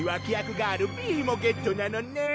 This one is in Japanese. ガールＢもゲットなのねん！